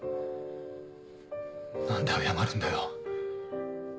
何で謝るんだよ。